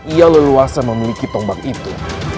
ia leluasa memiliki tombak itu